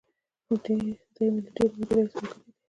دی مې له ډېرې مودې راهیسې ملګری دی.